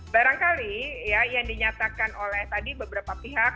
barangkali ya yang dinyatakan oleh tadi beberapa pihak